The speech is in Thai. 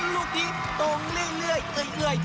ลูกดินตรงเลื่อยเอ่ย